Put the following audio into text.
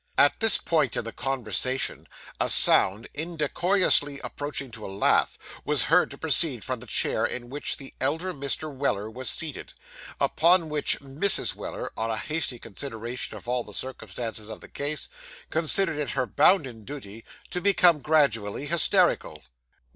At this point of the conversation, a sound, indecorously approaching to a laugh, was heard to proceed from the chair in which the elder Mr. Weller was seated; upon which Mrs. Weller, on a hasty consideration of all the circumstances of the case, considered it her bounden duty to become gradually hysterical.